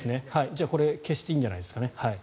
じゃあこれ消していいんじゃないですかね。